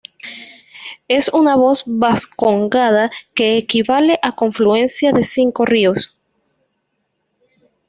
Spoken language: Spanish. Es una voz vascongada que equivale a confluencia de cinco ríos.